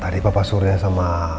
tadi papa surya sama